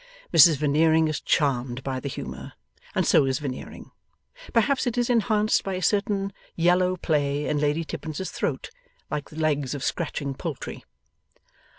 Mrs Veneering is charmed by the humour, and so is Veneering. Perhaps it is enhanced by a certain yellow play in Lady Tippins's throat, like the legs of scratching poultry.